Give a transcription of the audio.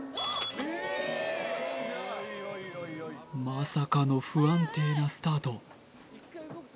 まさかの不安定なスタート